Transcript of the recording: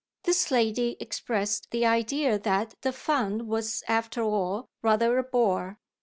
This lady expressed the idea that the fun was after all rather a bore.